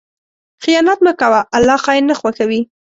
خیانت مه کوه، الله خائن نه خوښوي.